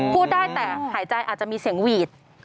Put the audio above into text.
พูดได้แต่หายใจอาจจะมีเสียงหวีด